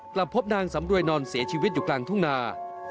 กลับพบนางสำรวยนอนเสียชีวิตอยู่กลางทุ่งนา